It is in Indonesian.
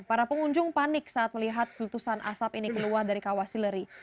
para pengunjung panik saat melihat letusan asap ini keluar dari kawah sileri